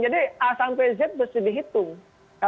jadi a sampai z mesti dihitung